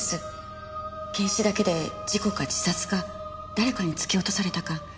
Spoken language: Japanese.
検視だけで事故か自殺か誰かに突き落とされたか